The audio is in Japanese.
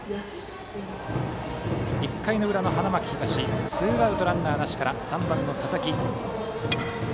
１回の裏、花巻東ツーアウト、ランナーなしから３番の佐々木。